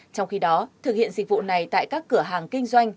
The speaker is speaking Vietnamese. trong khi đó thực hiện dịch vụ này tại các cửa hàng kinh doanh